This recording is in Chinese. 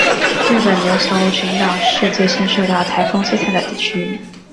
日本琉球群岛是最先受到台风摧残的地区。